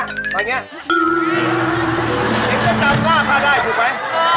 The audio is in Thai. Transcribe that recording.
เก็บสัตว์ว่าข้าได้ถูกไหม